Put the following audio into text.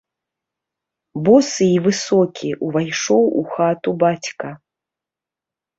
Босы і высокі ўвайшоў у хату бацька.